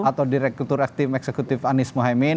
atau direktur eksem eksekutif anies mohaimin